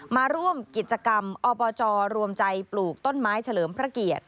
มาร่วมกิจกรรมอบจรวมใจปลูกต้นไม้เฉลิมพระเกียรติ